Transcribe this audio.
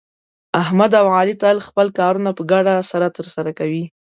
احمد او علي تل خپل کارونه په ګډه سره ترسه کوي.